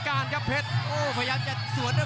กรรมการเตือนทั้งคู่ครับ๖๖กิโลกรัม